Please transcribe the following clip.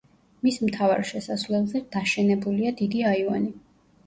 მის მთავარ შესასვლელზე დაშენებულია დიდი აივანი.